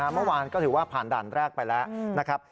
เมื่อวานก็ถือว่าผ่านด่านแรกไปแล้วนะครับ